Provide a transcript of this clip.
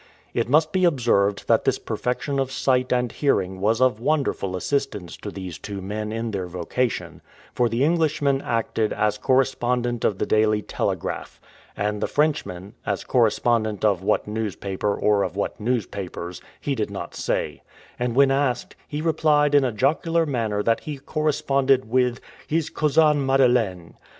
It must be observed that this perfection of sight and hearing was of wonderful assistance to these two men in their vocation, for the Englishman acted as correspondent of the Daily Telegraph, and the Frenchman, as correspondent of what newspaper, or of what newspapers, he did not say; and when asked, he replied in a jocular manner that he corresponded with "his cousin Madeleine."